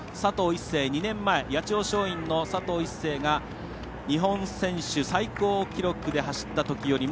２年前、八千代松陰の佐藤一世が日本選手最高記録で走ったときよりも